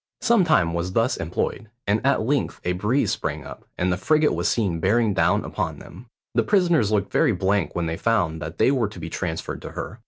Some time was thus employed, and at length a breeze sprang up, and the frigate was seen bearing down upon them. The prisoners looked very blank when they found that they were to be transferred to her.